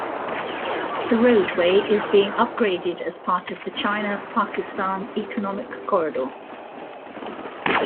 The roadway is being upgraded as part of the China-Pakistan Economic Corridor.